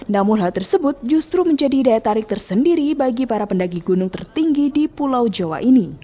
namun hal tersebut justru menjadi daya tarik tersendiri bagi para pendaki gunung tertinggi di pulau jawa ini